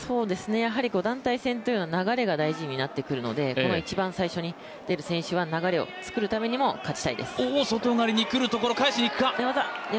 やはり団体戦というのは流れが大事になってくるのでこの一番最初に出る選手は流れを作るためにもやりたいです。